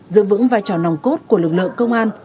giữ vững vai trò nòng cốt của lực lượng công an